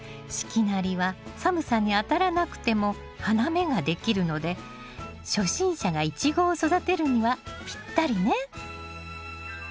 四季なりは寒さに当たらなくても花芽ができるので初心者がイチゴを育てるにはぴったりね。